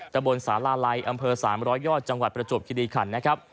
ตะบนสาลาลัยอำเภอ๓๐๐ยอดจังหวัดประจวบคิริขันนะครับ